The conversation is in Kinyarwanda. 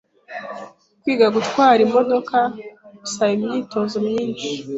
Kwiga gutwara imodoka bisaba imyitozo myinshi.